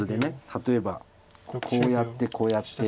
例えばこうやってこうやって。